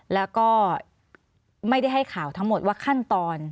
แล้วก็ไม่ได้ให้ข่าวทั้งหมดว่าขั้นตอน